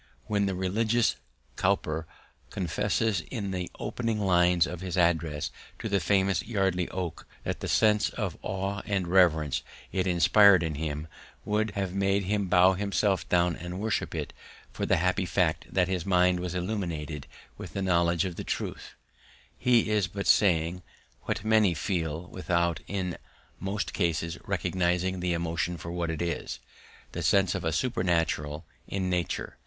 When the religious Cowper confesses in the opening lines of his address to the famous Yardley oak, that the sense of awe and reverence it inspired in him would have made him bow himself down and worship it but for the happy fact that his mind was illumined with the knowledge of the truth, he is but saying what many feel without in most cases recognizing the emotion for what it is the sense of the supernatural in nature.